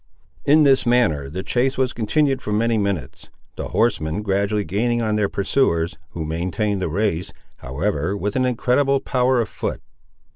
In this manner the chase was continued for many minutes, the horsemen gradually gaining on their pursuers, who maintained the race, however, with an incredible power of foot.